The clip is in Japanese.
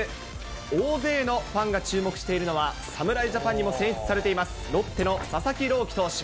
大勢のファンが注目しているのは、侍ジャパンにも選出されています、ロッテの佐々木朗希投手。